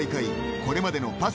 これまでのパス